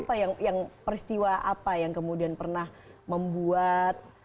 apa yang peristiwa apa yang kemudian pernah membuat